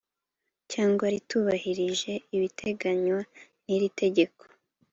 cyangwa ritubahirije ibiteganywa n iri tegeko